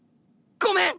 ごめん！